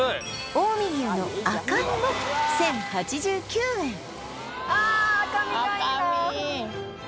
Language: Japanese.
近江牛の赤身も１０８９円ああ赤身がいいな赤身いい